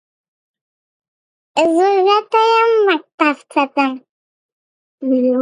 The Sierra Club continues to support removal of the dam.